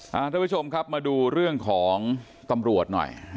ท่านผู้ชมครับมาดูเรื่องของตำรวจหน่อย